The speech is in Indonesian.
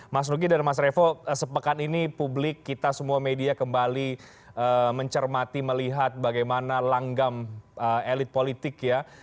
mas nugi dan mas revo sepekan ini publik kita semua media kembali mencermati melihat bagaimana langgam elit politik ya